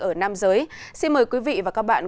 ở nam giới xin mời quý vị và các bạn